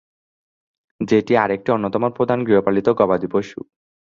যেটি আরেকটি অন্যতম প্রধান গৃহপালিত গবাদি পশু।